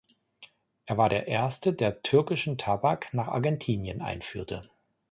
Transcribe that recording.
Er war der Erste, der türkischen Tabak nach Argentinien einführte.